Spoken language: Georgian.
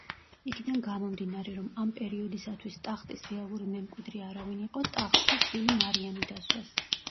იქიდან გამომდინარე, რომ ამ პერიოდისათვის ტახტის რეალური მემკვიდრე არავინ იყო, ტახტზე ჩვილი მარიამი დასვეს.